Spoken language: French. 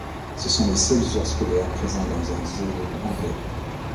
Ce sont les seuls ours polaires présents dans un zoo anglais.